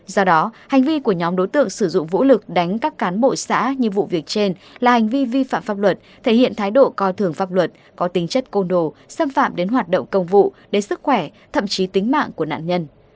do đó hành vi của nhóm đối tượng sử dụng vũ lực đánh các cán bộ xã như vụ việc trên là hành vi vi phạm pháp luật thể hiện thái độ coi thường pháp luật có tính chất côn đồ xâm phạm đến hoạt động công vụ đến sức khỏe thậm chí tính mạng của nạn nhân